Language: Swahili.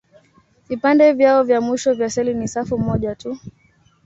Vipande vyao vya mwisho vya seli ni safu moja tu.